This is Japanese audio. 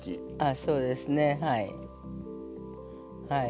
あそうですねはい。